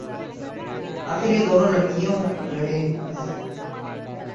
آخر یہ دونوں لڑ کیوں رہے ہیں